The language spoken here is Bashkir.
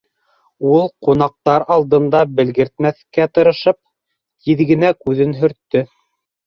Ул, ҡунаҡтар алдында белгертмәҫкә тырышып, тиҙ генә күҙен һөрттө.